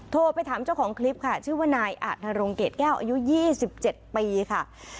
โทรไปถามเจ้าของคลิปค่ะชื่อว่านายอาจนรงเกรดแก้วอายุ๒๗ปีค่ะ